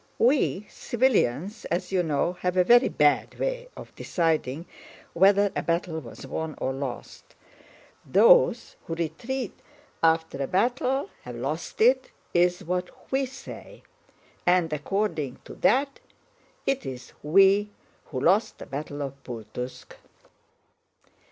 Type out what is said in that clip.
We civilians, as you know, have a very bad way of deciding whether a battle was won or lost. Those who retreat after a battle have lost it is what we say; and according to that it is we who lost the battle of Pultúsk.